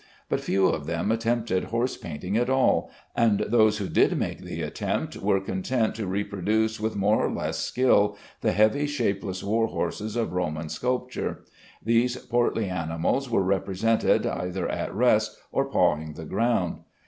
But few of them attempted horse painting at all, and those who did make the attempt were content to reproduce with more or less skill the heavy shapeless war horse of Roman sculpture. These portly animals were represented either at rest or pawing the ground.